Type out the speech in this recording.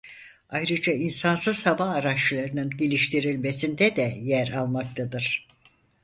Ayrıca insansız hava araçlarının geliştirilmesinde de yer almaktadır.